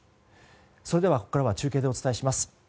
それではここからは中継でお伝えします。